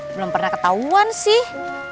belum pernah ketahuan sih